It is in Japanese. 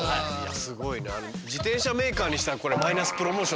すごいな。